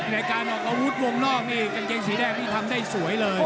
ในการออกอาวุธวงนอกนี่กางเกงสีแดงนี่ทำได้สวยเลย